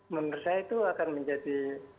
menurut saya itu akan menjadi